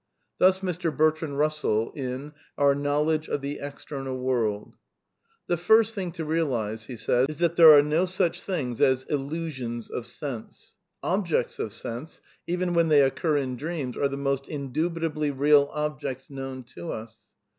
Thna Mr. Bertrand Bnssell in Our Knowledge of the External World: —^ The first thin^ to realiEe is that there are no sach things as ^illnsions of sense.' Objects of sense, even when th^ occur in dreamSy are the most indubitably real objects known to ns.